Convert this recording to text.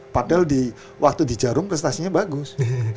padahal waktu di jarum prestasinya bagus